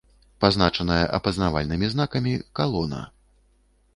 Пазначаная апазнавальнымі знакамі «Калона»